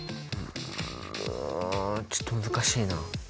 うんちょっと難しいな。